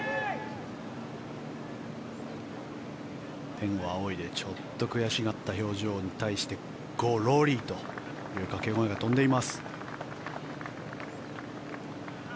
天を仰いでちょっと悔しがった表情に対してゴー・ローリーという掛け声が飛んでいます。